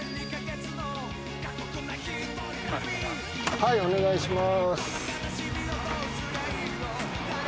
はいお願いします。